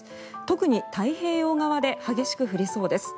特に太平洋側で激しく降りそうです。